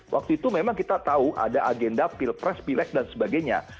waktu itu memang kita tahu ada agenda pilpres pilek dan sebagainya